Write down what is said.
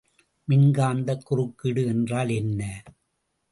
மின்காந்தக் குறுக்கீடு என்றால் என்ன?